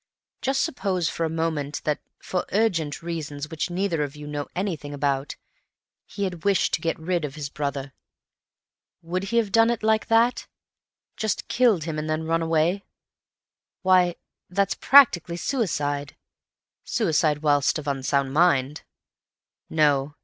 Just suppose for a moment that, for urgent reasons which neither of you know anything about, he had wished to get rid of his brother. Would he have done it like that? Just killed him and then run away? Why, that's practically suicide—suicide whilst of unsound mind. No.